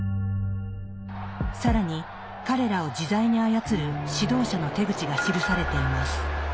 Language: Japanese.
更に彼らを自在に操る指導者の手口が記されています。